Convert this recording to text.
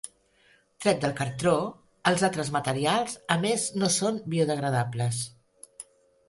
Tret del cartó els altres materials a més no són biodegradables.